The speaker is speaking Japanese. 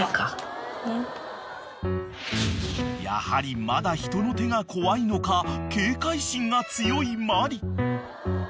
［やはりまだ人の手が怖いのか警戒心が強いマリ］